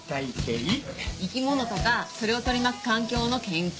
生き物とかそれを取り巻く環境の研究。